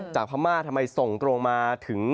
พม่าทำไมส่งตรงมาถึง